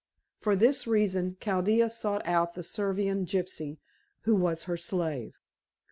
For this reason Chaldea sought out the Servian gypsy, who was her slave.